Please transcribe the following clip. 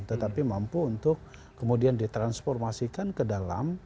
tetapi mampu untuk kemudian ditransformasikan ke dalam